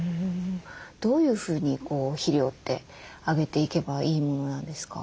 どういうふうに肥料ってあげていけばいいものなんですか？